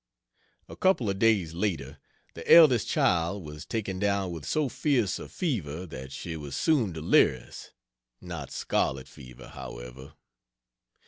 A couple of days later, the eldest child was taken down with so fierce a fever that she was soon delirious not scarlet fever, however.